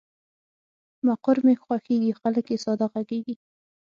مقر مې خوښېږي، خلګ یې ساده غږیږي.